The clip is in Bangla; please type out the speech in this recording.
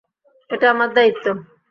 এটা আমার দায়িত্ব।